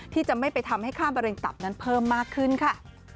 ที่จะไม่ไปทำให้ค่ามะเร็งตับนั้นเพิ่มมากขึ้นค่ะ